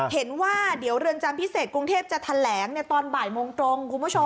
เห็นว่าเดี๋ยวเรือนจำพิเศษกรุงเทพจะแถลงตอนบ่ายโมงตรงคุณผู้ชม